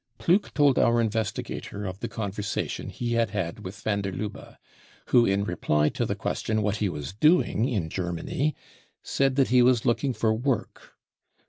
Ploegk told our investigator of the conversation he had had with van der Lubbe, who in reply to the question what was he doing in Germany, said that he was looking for work.